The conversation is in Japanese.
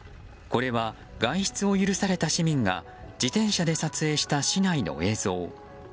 これは、外出を許された市民が自転車で撮影した市内の映像。